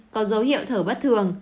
có dấu hiệu thở bất thường